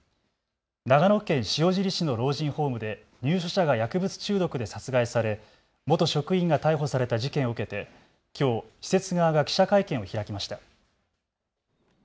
長野県塩尻市の老人ホームで入所者が薬物中毒で殺害され元職員が逮捕された事件を受けてきょう施設側が記者会見を開きました。